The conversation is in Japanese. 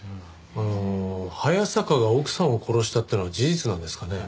あの早坂が奥さんを殺したっていうのは事実なんですかね？